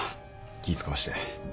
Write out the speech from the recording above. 気ぃ使わして。